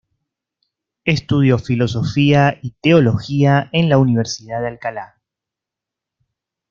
Estudió Filosofía y Teología en la Universidad de Alcalá.